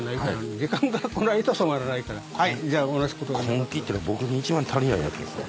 根気ってのは僕に一番足りないやつですね。